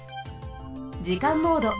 じかんモード。